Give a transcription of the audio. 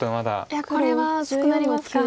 いやこれは薄くなりますか。